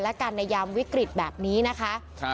และกันในยามวิกฤตแบบนี้นะคะ